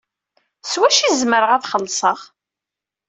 S wacu i zemreɣ ad xellṣeɣ?